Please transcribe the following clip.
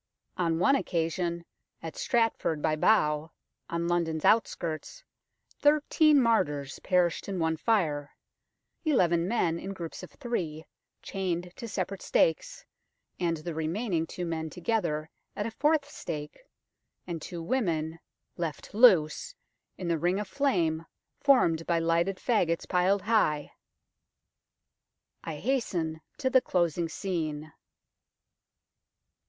On one occasion, at Stratford by Bow, on London's outskirts, thirteen martyrs perished in one fire, eleven men in groups of three chained to separate stakes, and the remaining two men together at a fourth stake, and two women left loose in the ring of flame formed by lighted faggots piled high. I hasten to the closing scene.